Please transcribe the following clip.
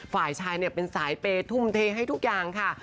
ฝ่ายชายเป็นสายเปย์ทุ่มเทให้ทุกอย่างค่ะ